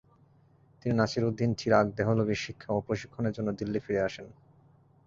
তিনি নাসিরউদ্দিন চিরাঘ দেহলভির শিক্ষা ও প্রশিক্ষণের জন্য দিল্লি ফিরে আসেন।